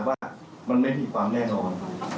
ว่ามันไม่มีความแน่นอน